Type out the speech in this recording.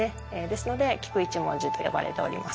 ですので菊一文字と呼ばれております。